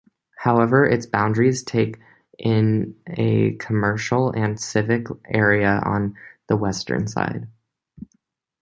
However, its boundaries take in a commercial and civic area on the western side.